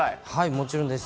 もちろんです。